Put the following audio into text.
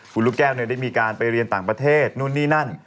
คุณลูกแก้วได้มีการไปเรียนต่างประเทศนู่นนี่นั่น